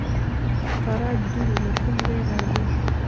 د فراه دوړې له کوم ځای راځي؟